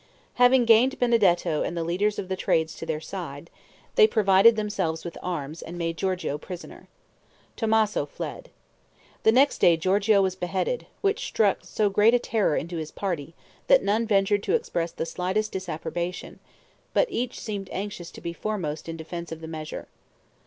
Having gained Benedetto and the leaders of the trades to their side, they provided themselves with arms and made Giorgio prisoner. Tommaso fled. The next day Giorgio was beheaded; which struck so great a terror into his party, that none ventured to express the slightest disapprobation, but each seemed anxious to be foremost in defense of the measure.